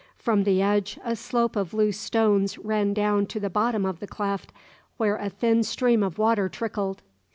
From the edge a slope of loose stones ran down to the bottom of the cleft, where a thin stream of water trickled.